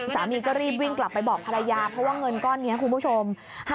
สามีก็รีบวิ่งกลับไปบอกภรรยาเพราะว่าเงินก้อนนี้คุณผู้ชม